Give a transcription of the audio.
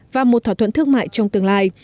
và một thỏa thuận thương mại trong tương lai